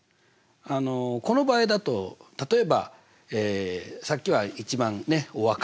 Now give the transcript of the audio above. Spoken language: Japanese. あのこの場合だと例えばさっきは一番お若い。